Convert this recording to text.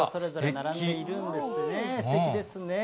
並んでいるんですね、すてきですね。